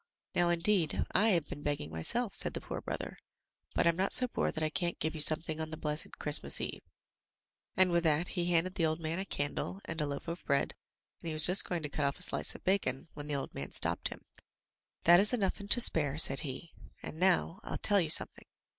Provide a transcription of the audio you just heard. "Now, indeed, I have been begging myself," said the poor brother, "but I'm not so poor that I can't give you something on the blessed Christmas eve." And with that he handed the old man a candle, and a loaf of bread, and he was just going to cut off a slice of bacon, when the old man stopped him — "That is enough and to spare," said he. "And now, I'll tell you some thing.